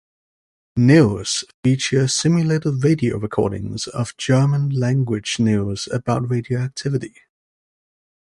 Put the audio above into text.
"News" features simulated radio recordings of German-language news about radioactivity.